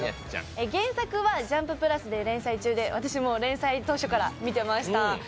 原作は「ジャンプ＋」で連載中で私も連載当初から見てました。